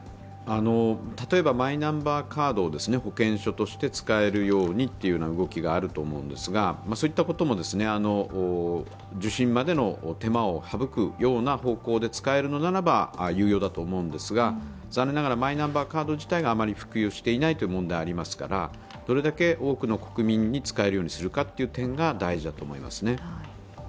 例えばマイナンバーカードを保険証として使えるようにという動きがあると思うんですが、そういったことも受診までの手間を省く方向で使うならば有用だと思うんですが、残念ながらマイナンバーカード自体があまり普及していないという問題がありますからどれだけ多くの国民に使えるようにするかという点が大事だと思いますね。